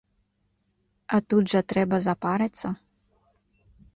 А тут жа трэба запарыцца!